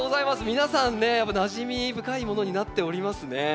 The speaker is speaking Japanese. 皆さんねやっぱなじみ深いものになっておりますね。